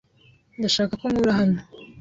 Ndashaka ko unkura hano.